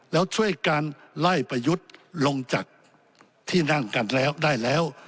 แล้วช่วยการไล่ประยุทธ์ลงจากที่นั่งกันแล้วได้แล้ว